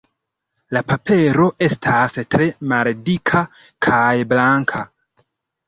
La papero estas tre maldika kaj blanka.